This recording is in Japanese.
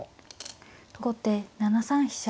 後手７三飛車。